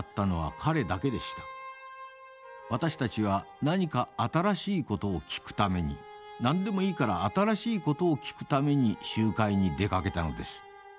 私たちは何か新しい事を聞くために何でもいいから新しい事を聞くために集会に出かけたのです。